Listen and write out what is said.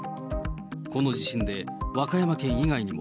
この地震で和歌山県以外にも、